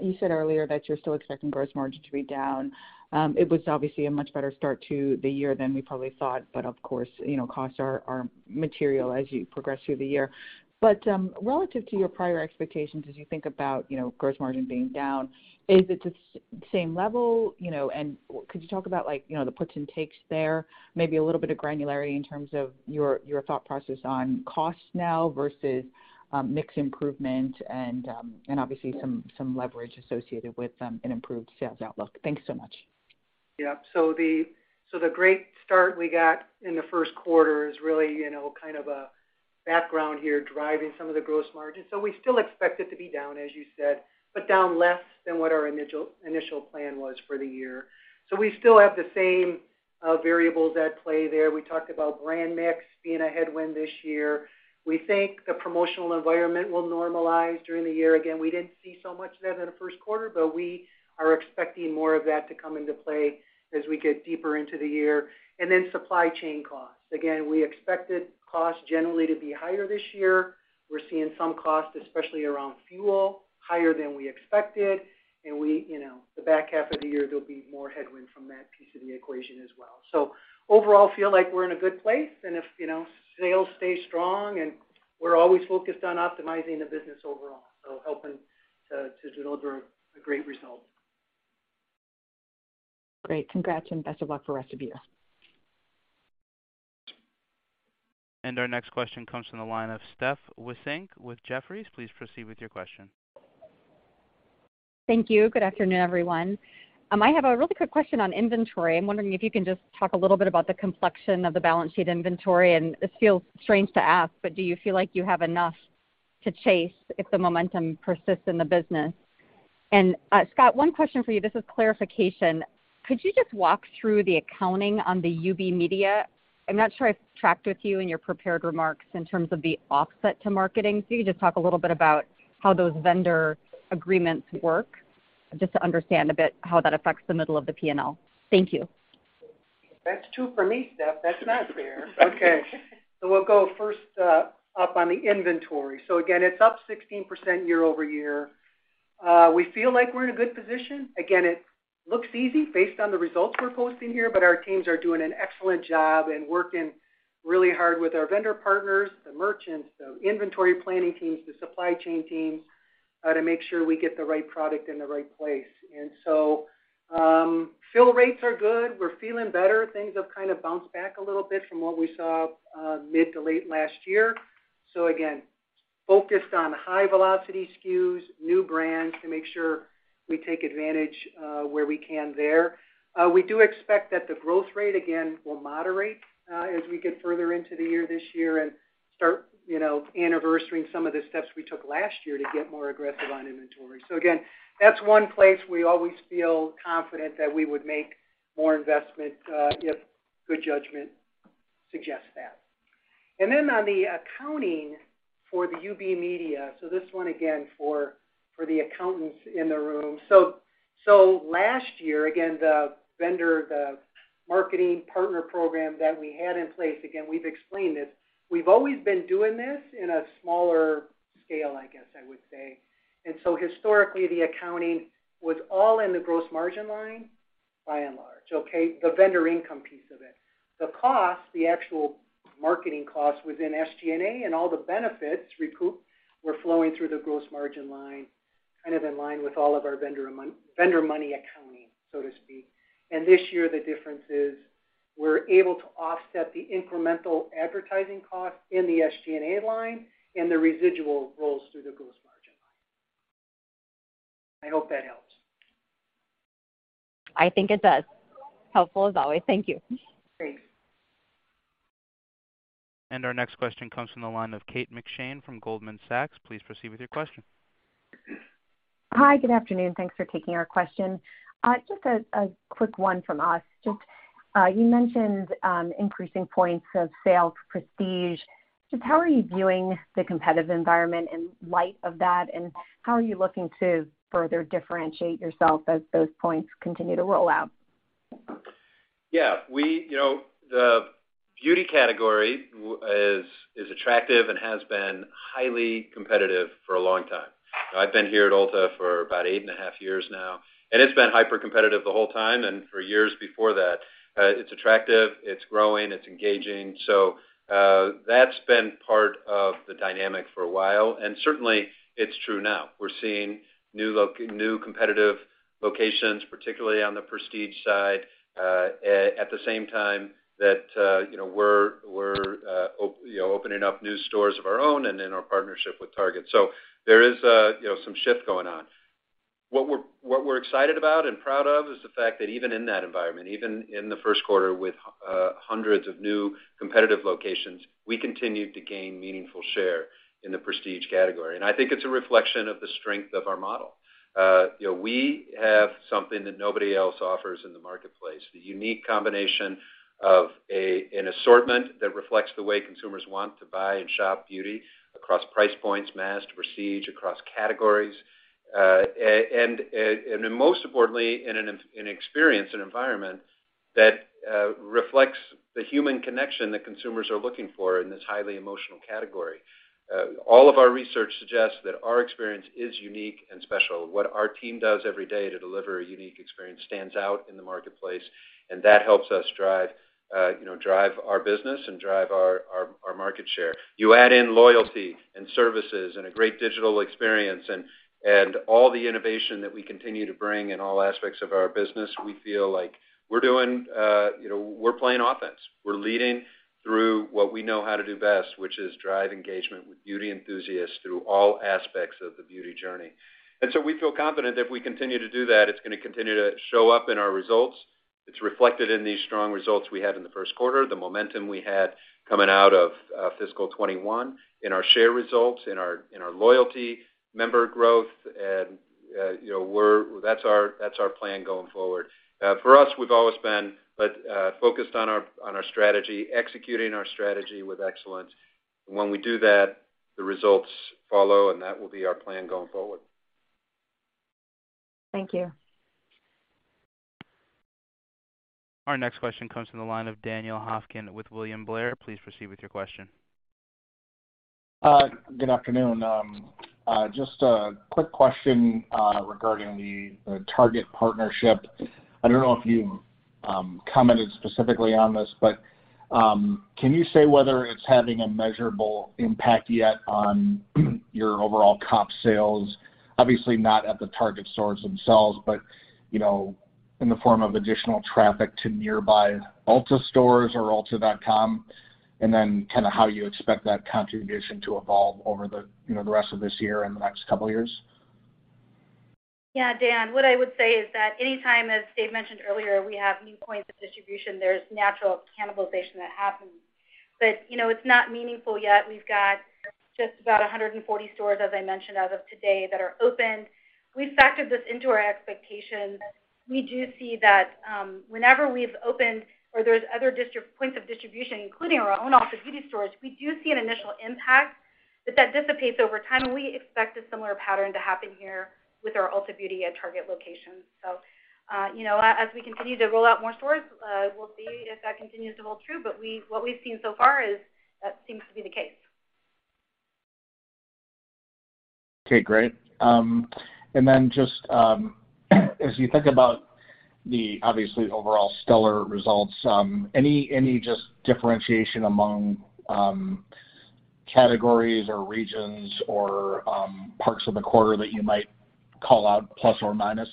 you said earlier that you're still expecting gross margin to be down. It was obviously a much better start to the year than we probably thought, but of course, you know, costs are material as you progress through the year. Relative to your prior expectations, as you think about, you know, gross margin being down, is it the same level? You know, and could you talk about, like, you know, the puts and takes there, maybe a little bit of granularity in terms of your thought process on costs now versus mix improvement and obviously some leverage associated with an improved sales outlook? Thanks so much. Yeah. The great start we got in the first quarter is really, you know, kind of a background here driving some of the gross margin. We still expect it to be down, as you said, but down less than what our initial plan was for the year. We still have the same variables at play there. We talked about brand mix being a headwind this year. We think the promotional environment will normalize during the year. Again, we didn't see so much of that in the first quarter, but we are expecting more of that to come into play as we get deeper into the year. Then supply chain costs. Again, we expected costs generally to be higher this year. We're seeing some costs, especially around fuel, higher than we expected. The back half of the year, there'll be more headwind from that piece of the equation as well. Overall, feel like we're in a good place and if, you know, sales stay strong and we're always focused on optimizing the business overall, so helping to deliver a great result. Great. Congrats and best of luck for the rest of the year. Our next question comes from the line of Steph Wissink with Jefferies. Please proceed with your question. Thank you. Good afternoon, everyone. I have a really quick question on inventory. I'm wondering if you can just talk a little bit about the complexion of the balance sheet inventory. This feels strange to ask, but do you feel like you have enough to chase if the momentum persists in the business? Scott, one question for you, this is clarification. Could you just walk through the accounting on the UB Media? I'm not sure I've tracked with you in your prepared remarks in terms of the offset to marketing. If you could just talk a little bit about how those vendor agreements work, just to understand a bit how that affects the middle of the P&L. Thank you. That's two for me, Steph. That's not fair. Okay. We'll go first up on the inventory. Again, it's up 16% year-over-year. We feel like we're in a good position. Again, it looks easy based on the results we're posting here, but our teams are doing an excellent job and working really hard with our vendor partners, the merchants, the inventory planning teams, the supply chain teams, to make sure we get the right product in the right place. Fill rates are good. We're feeling better. Things have kind of bounced back a little bit from what we saw mid to late last year. Again, focused on high velocity SKUs, new brands to make sure we take advantage where we can there. We do expect that the growth rate, again, will moderate as we get further into the year this year and start, you know, anniversary some of the steps we took last year to get more aggressive on inventory. Again, that's one place we always feel confident that we would make more investment if good judgment suggests that. On the accounting for the UB Media, this one again for the accountants in the room. Last year, again, the vendor, the Marketing partner program that we had in place. Again, we've explained this. We've always been doing this in a smaller scale, I guess I would say. Historically, the accounting was all in the gross margin line by and large, okay? The vendor income piece of it. The cost, the actual marketing cost was in SG&A, and all the benefits recouped were flowing through the gross margin line, kind of in line with all of our vendor non-vendor money accounting, so to speak. This year, the difference is we're able to offset the incremental advertising cost in the SG&A line, and the residual rolls through the gross margin line. I hope that helps. I think it does. Helpful as always. Thank you. Great. Our next question comes from the line of Kate McShane from Goldman Sachs. Please proceed with your question. Hi, good afternoon. Thanks for taking our question. Just a quick one from us. Just, you mentioned increasing points of sale, prestige. Just how are you viewing the competitive environment in light of that, and how are you looking to further differentiate yourself as those points continue to roll out? Yeah. You know, the beauty category is attractive and has been highly competitive for a long time. I've been here at Ulta for about eight and a half years now, and it's been hypercompetitive the whole time, and for years before that. It's attractive, it's growing, it's engaging. That's been part of the dynamic for a while, and certainly, it's true now. We're seeing new competitive locations, particularly on the prestige side, at the same time that, you know, we're you know, opening up new stores of our own and in our partnership with Target. There is, you know, some shift going on. What we're excited about and proud of is the fact that even in that environment, even in the first quarter with hundreds of new competitive locations, we continued to gain meaningful share in the prestige category. I think it's a reflection of the strength of our model. You know, we have something that nobody else offers in the marketplace, the unique combination of an assortment that reflects the way consumers want to buy and shop beauty across price points, mass to prestige, across categories, and then most importantly, in an experience and environment that reflects the human connection that consumers are looking for in this highly emotional category. All of our research suggests that our experience is unique and special. What our team does every day to deliver a unique experience stands out in the marketplace, and that helps us drive our business and drive our market share. You add in loyalty and services and a great digital experience and all the innovation that we continue to bring in all aspects of our business. We feel like we're doing. We're playing offense. We're leading through what we know how to do best, which is drive engagement with beauty enthusiasts through all aspects of the beauty journey. We feel confident if we continue to do that, it's gonna continue to show up in our results. It's reflected in these strong results we had in the first quarter, the momentum we had coming out of fiscal 2021 in our share results, in our loyalty member growth, and you know, that's our plan going forward. For us, we've always been like focused on our strategy, executing our strategy with excellence. When we do that, the results follow, and that will be our plan going forward. Thank you. Our next question comes from the line of Daniel Hofkin with William Blair. Please proceed with your question. Good afternoon. Just a quick question regarding the Target partnership. I don't know if you commented specifically on this, but can you say whether it's having a measurable impact yet on your overall comp sales? Obviously, not at the Target stores themselves, but you know, in the form of additional traffic to nearby Ulta stores or ulta.com, and then kinda how you expect that contribution to evolve over the you know, the rest of this year and the next couple of years. Yeah. Dan, what I would say is that anytime, as Dave mentioned earlier, we have new points of distribution, there's natural cannibalization that happens. You know, it's not meaningful yet. We've got just about 140 stores, as I mentioned, as of today, that are opened. We've factored this into our expectations. We do see that, whenever we've opened or there's other points of distribution, including our own Ulta Beauty stores, we do see an initial impact, but that dissipates over time, and we expect a similar pattern to happen here with our Ulta Beauty at Target locations. As we continue to roll out more stores, we'll see if that continues to hold true. What we've seen so far is that seems to be the case. Okay, great. Just as you think about the obviously overall stellar results, any differentiation among categories or regions or parts of the quarter that you might call out plus or minus?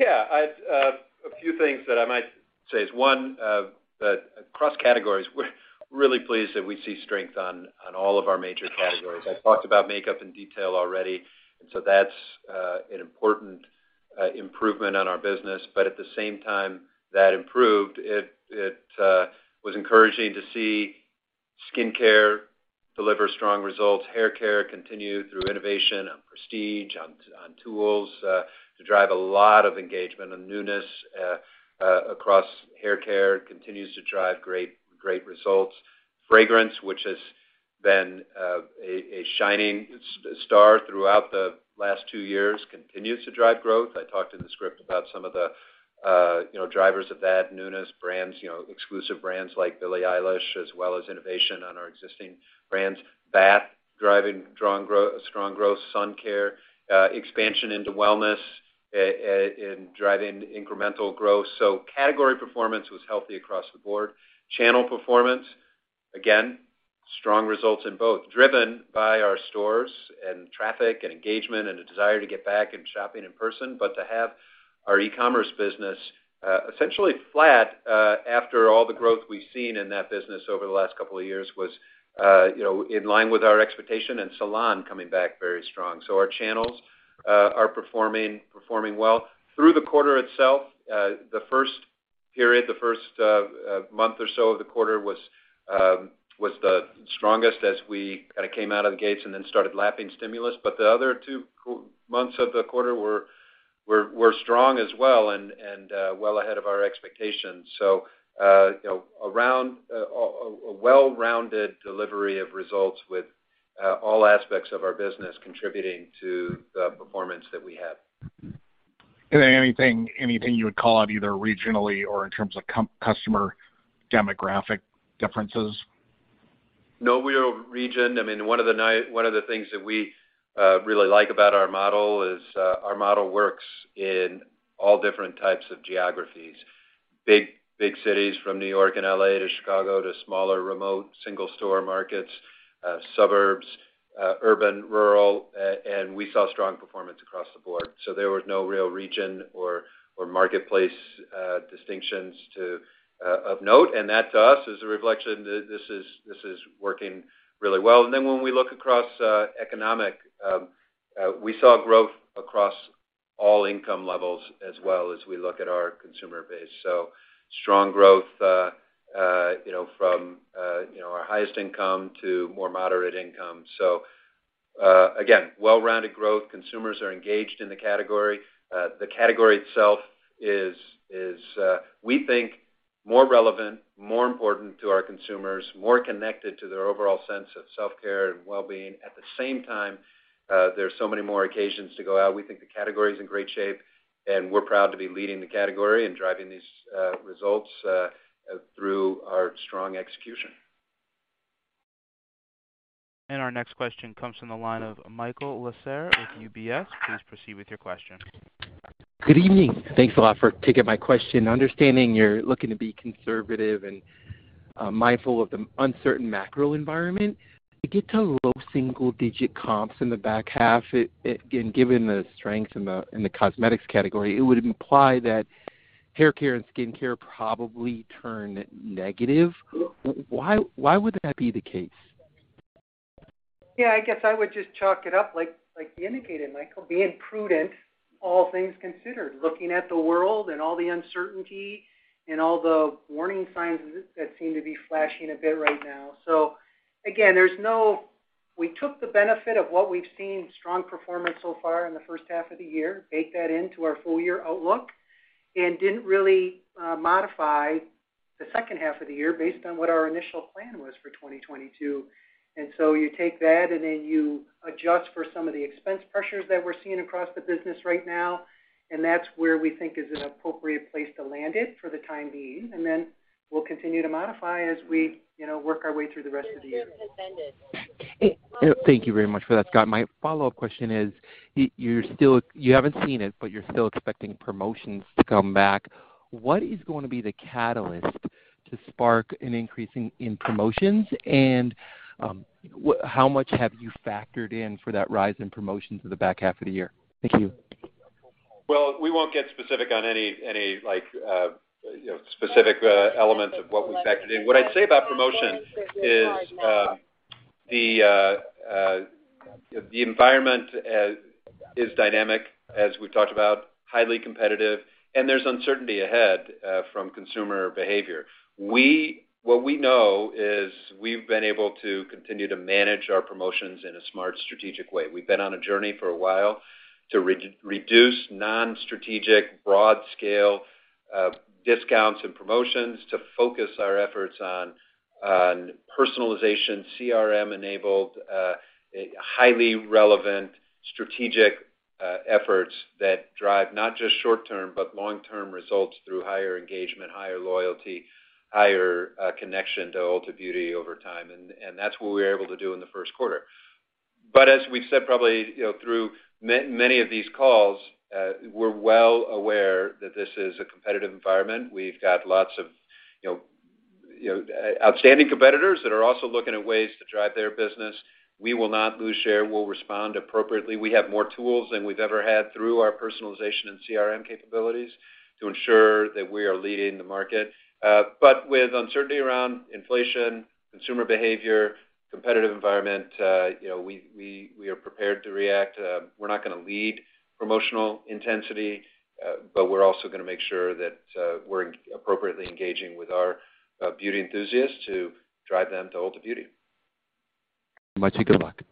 Yeah. I'd say a few things that I might say is one that across categories we're really pleased that we see strength in all of our major categories. I've talked about makeup in detail already and so that's an important improvement in our business. At the same time that improvement was encouraging to see skincare deliver strong results. Hair care continued through innovation in prestige in tools to drive a lot of engagement and newness across hair care continues to drive great results. Fragrance a shining star throughout the last two years continues to drive growth. I talked in the script about some of the you know drivers of that. Newness brands you know exclusive brands like Billie Eilish as well as innovation on our existing brands. Bath driving strong growth, sun care, expansion into wellness, and driving incremental growth. Category performance was healthy across the board. Channel performance, again, strong results in both, driven by our stores and traffic and engagement, and a desire to get back and shopping in person. To have our e-commerce business essentially flat, after all the growth we've seen in that business over the last couple of years was, you know, in line with our expectation, and salon coming back very strong. Our channels are performing well. Through the quarter itself, the first month or so of the quarter was the strongest as we kind of came out of the gates and then started lapping stimulus. The other two months of the quarter were strong as well and well ahead of our expectations. You know, a well-rounded delivery of results with all aspects of our business contributing to the performance that we had. Is there anything you would call out, either regionally or in terms of customer demographic differences? No real region. I mean, one of the things that we really like about our model is our model works in all different types of geographies. Big cities from New York and L.A. to Chicago, to smaller, remote single store markets, suburbs, urban, rural, and we saw strong performance across the board. There was no real region or marketplace distinctions of note. That to us is a reflection that this is working really well. When we look across economic, we saw growth across all income levels as well as we look at our consumer base. Strong growth, you know, from, you know, our highest income to more moderate income. Again, well-rounded growth. Consumers are engaged in the category. The category itself is we think more relevant, more important to our consumers, more connected to their overall sense of self-care and wellbeing. At the same time, there's so many more occasions to go out. We think the category is in great shape, and we're proud to be leading the category and driving these results through our strong execution. Our next question comes from the line of Michael Lasser with UBS. Please proceed with your question. Good evening. Thanks a lot for taking my question. Understanding you're looking to be conservative and mindful of the uncertain macro environment, to get to low single digit comps in the back half, and given the strength in the cosmetics category, it would imply that hair care and skin care probably turn negative. Why would that be the case? Yeah, I guess I would just chalk it up like you indicated, Michael. Being prudent, all things considered, looking at the world and all the uncertainty and all the warning signs that seem to be flashing a bit right now. We took the benefit of what we've seen, strong performance so far in the first half of the year, baked that into our full-year outlook, and didn't really modify the second half of the year based on what our initial plan was for 2022. You take that, and then you adjust for some of the expense pressures that we're seeing across the business right now, and that's where we think is an appropriate place to land it for the time being. We'll continue to modify as we, you know, work our way through the rest of the year. Thank you very much for that, Scott. My follow-up question is, you're still, you haven't seen it, but you're still expecting promotions to come back. What is going to be the catalyst to spark an increase in promotions? How much have you factored in for that rise in promotions in the back half of the year? Thank you. Well, we won't get specific on any, like, you know, specific elements of what we factored in. What I'd say about promotions is, the environment is dynamic, as we've talked about, highly competitive, and there's uncertainty ahead from consumer behavior. What we know is we've been able to continue to manage our promotions in a smart, strategic way. We've been on a journey for a while to reduce non-strategic, broad scale discounts and promotions to focus our efforts on personalization, CRM-enabled, highly relevant strategic efforts that drive not just short-term, but long-term results through higher engagement, higher loyalty, higher connection to Ulta Beauty over time. That's what we were able to do in the first quarter. As we've said probably, you know, through many of these calls, we're well aware that this is a competitive environment. We've got lots of, you know, outstanding competitors that are also looking at ways to drive their business. We will not lose share. We'll respond appropriately. We have more tools than we've ever had through our personalization and CRM capabilities to ensure that we are leading the market. But with uncertainty around inflation, consumer behavior, competitive environment, you know, we are prepared to react. We're not gonna lead promotional intensity, but we're also gonna make sure that we're appropriately engaging with our beauty enthusiasts to drive them to Ulta Beauty. Thank you much. Good luck.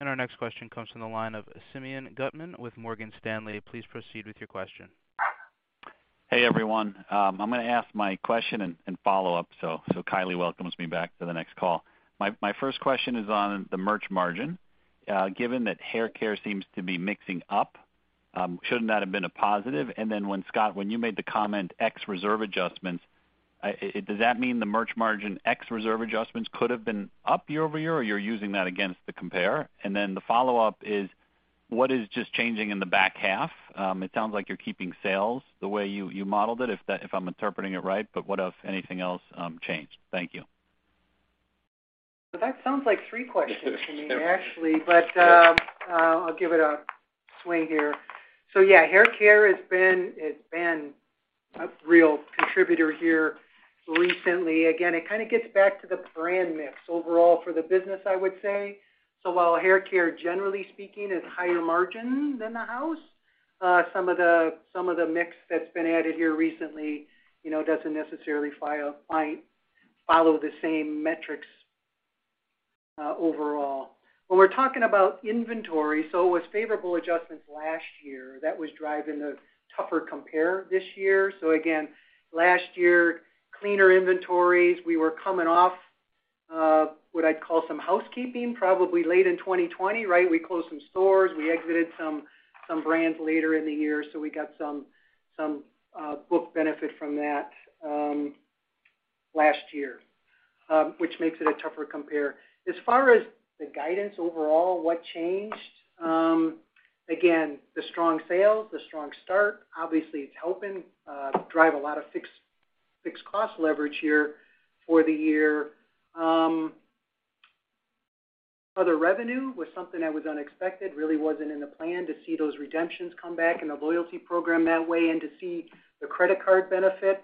Our next question comes from the line of Simeon Gutman with Morgan Stanley. Please proceed with your question. Hey, everyone. I'm gonna ask my question and follow up, so Kiley welcomes me back to the next call. My first question is on the merch margin. Given that haircare seems to be mixing up, shouldn't that have been a positive? Then, Scott, when you made the comment ex reserve adjustments, does that mean the merch margin ex reserve adjustments could have been up year over year, or you're using that against the compare? Then the follow-up is what is just changing in the back half? It sounds like you're keeping sales the way you modeled it, if I'm interpreting it right, but what, if anything else, changed? Thank you. That sounds like three questions to me, actually. I'll give it a swing here. Yeah, haircare has been, it's been a real contributor here recently. Again, it kinda gets back to the brand mix overall for the business, I would say. While haircare, generally speaking, is higher margin than the mass, some of the mix that's been added here recently, you know, doesn't necessarily follow the same metrics overall. When we're talking about inventory, it was favorable adjustments last year that was driving the tougher compare this year. Again, last year, cleaner inventories, we were coming off what I'd call some housekeeping probably late in 2020, right? We closed some stores, we exited some brands later in the year, so we got some book benefit from that last year, which makes it a tougher compare. As far as the guidance overall, what changed, again, the strong sales, the strong start, obviously, it's helping drive a lot of fixed cost leverage here for the year. Other revenue was something that was unexpected, really wasn't in the plan to see those redemptions come back in the loyalty program that way and to see the credit card benefit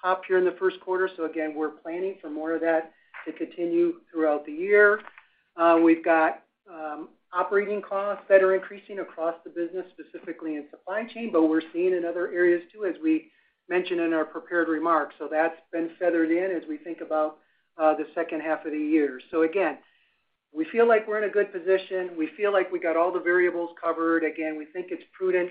pop here in the first quarter. Again, we're planning for more of that to continue throughout the year. We've got operating costs that are increasing across the business, specifically in supply chain, but we're seeing in other areas too, as we mentioned in our prepared remarks. That's been feathered in as we think about the second half of the year. Again, we feel like we're in a good position. We feel like we got all the variables covered. Again, we think it's prudent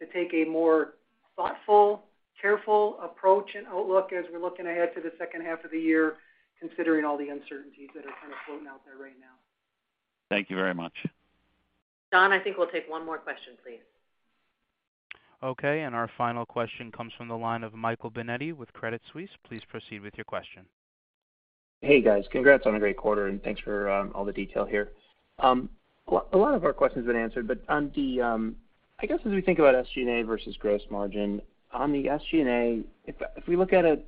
to take a more thoughtful, careful approach and outlook as we're looking ahead to the second half of the year, considering all the uncertainties that are kind of floating out there right now. Thank you very much. Don, I think we'll take one more question, please. Okay, and our final question comes from the line of Michael Binetti with Credit Suisse. Please proceed with your question. Hey, guys. Congrats on a great quarter, and thanks for all the detail here. A lot of our questions have been answered, but I guess as we think about SG&A versus gross margin. On the SG&A, if we look at it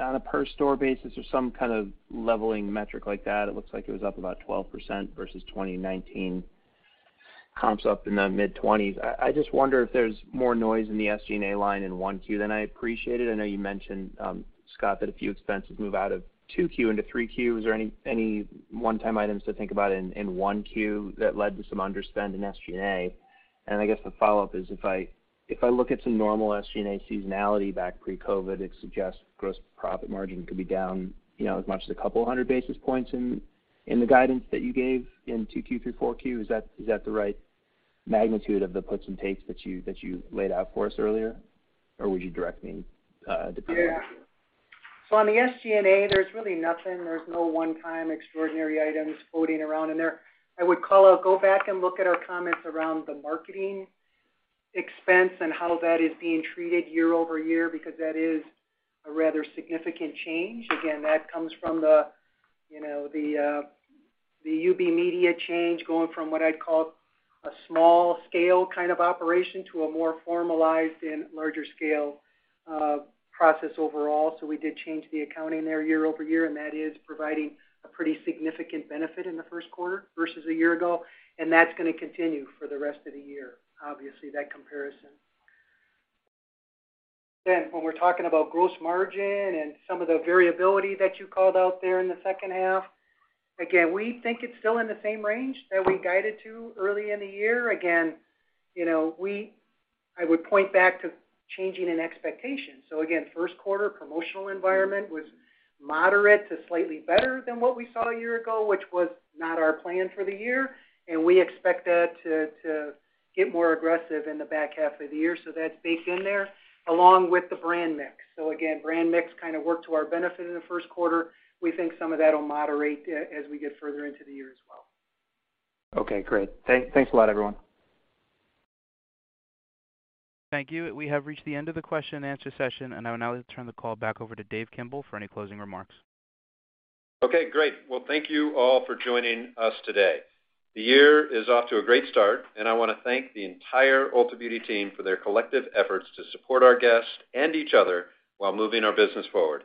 on a per store basis or some kind of leveling metric like that, it looks like it was up about 12% versus 2019 comps up in the mid-20s%. I just wonder if there's more noise in the SG&A line in 1Q than I appreciated. I know you mentioned, Scott, that a few expenses move out of 2Q into 3Q. Is there any one-time items to think about in 1Q that led to some underspend in SG&A? I guess the follow-up is if I look at some normal SG&A seasonality back pre-COVID, it suggests gross profit margin could be down, you know, as much as a couple hundred basis points in the guidance that you gave in 2Q through 4Q. Is that the right magnitude of the puts and takes that you laid out for us earlier? Or would you direct me to Yeah. On the SG&A, there's really nothing. There's no one-time extraordinary items floating around in there. I would call out. Go back and look at our comments around the marketing expense and how that is being treated year-over-year because that is a rather significant change. Again, that comes from the, you know, the UB Media change, going from what I'd call a small scale kind of operation to a more formalized and larger scale process overall. We did change the accounting there year-over-year, and that is providing a pretty significant benefit in the first quarter versus a year ago, and that's gonna continue for the rest of the year, obviously, that comparison. When we're talking about gross margin and some of the variability that you called out there in the second half, again, we think it's still in the same range that we guided to early in the year. Again, you know, I would point back to change in expectations. Again, first quarter promotional environment was moderate to slightly better than what we saw a year ago, which was not our plan for the year, and we expect that to get more aggressive in the back half of the year. That's baked in there along with the brand mix. Again, brand mix kind of worked to our benefit in the first quarter. We think some of that will moderate as we get further into the year as well. Okay, great. Thanks a lot, everyone. Thank you. We have reached the end of the question and answer session, and I will now turn the call back over to Dave Kimbell for any closing remarks. Okay, great. Well, thank you all for joining us today. The year is off to a great start, and I wanna thank the entire Ulta Beauty team for their collective efforts to support our guests and each other while moving our business forward.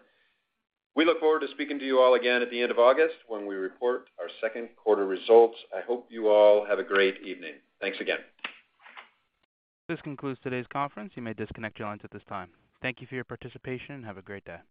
We look forward to speaking to you all again at the end of August when we report our second quarter results. I hope you all have a great evening. Thanks again. This concludes today's conference. You may disconnect your lines at this time. Thank you for your participation, and have a great day.